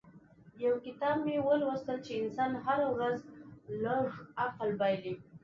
يو کتاب کې مې ولوستل چې انسان هره ورځ لږ عقل بايلي.